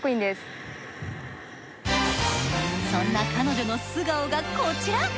そんな彼女の素顔がこちら。